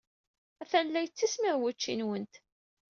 Atan la yettismiḍ wučči-nwent.